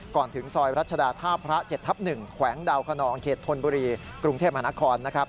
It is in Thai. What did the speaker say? ก่อนถึงซอยรัชดาท่าพระ๗ทับ๑แขวงดาวคนองเขตธนบุรีกรุงเทพมหานครนะครับ